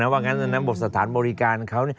ว่างั้นบทสถานบริการเขา